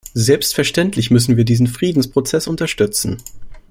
Selbstverständlich müssen wir diesen Friedensprozess unterstützen.